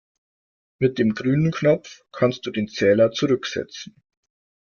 Mit dem grünen Knopf kannst du den Zähler zurücksetzen.